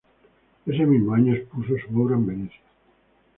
Ese mismo año expuso su obra en Venecia.